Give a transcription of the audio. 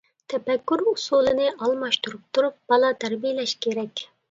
تەپەككۇر ئۇسۇلىنى ئالماشتۇرۇپ تۇرۇپ بالا تەربىيەلەش كېرەك.